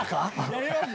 やります？